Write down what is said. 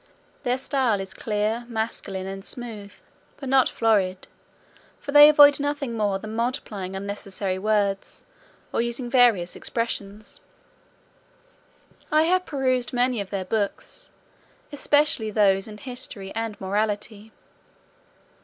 Their style is clear, masculine, and smooth, but not florid; for they avoid nothing more than multiplying unnecessary words, or using various expressions. I have perused many of their books, especially those in history and morality.